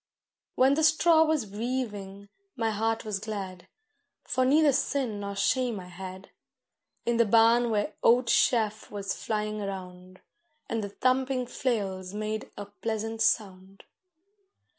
When the straw was weaving my heart was glad, For neither sin nor shame I had, In the barn where oat chaff was flying round, And the thumping flails made a pleasant sound.